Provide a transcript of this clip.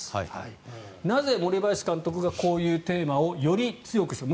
なぜ森林監督がこういうテーマをより強くしたか。